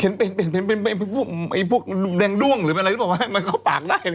เห็นพวกแดงด่วงหรือเปล่าข้อปากได้